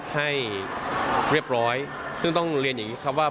ให้เรียบร้อยซึ่งต้องเรียนอย่างนี้ครับว่า